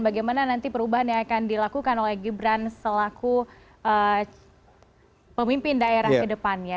bagaimana nanti perubahan yang akan dilakukan oleh gibran selaku pemimpin daerah ke depannya